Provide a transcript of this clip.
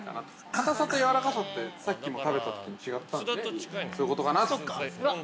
かたさとやわらかさって、さっきも食べたときに違ったのでそういうことかなと。